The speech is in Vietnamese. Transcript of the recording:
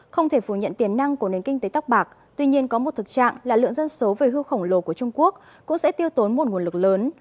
không thể phủ nhận tiềm năng của nền kinh tế tóc bạc tuy nhiên có một thực trạng là lượng dân số về hưu khổng lồ của trung quốc cũng sẽ tiêu tốn một nguồn lực lớn